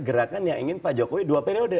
gerakan yang ingin pak jokowi dua periode